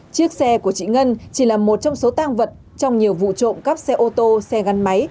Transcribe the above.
tài của chị ngân chỉ là một trong số tàng vật trong nhiều vụ trộm cắp xe ô tô xe gắn máy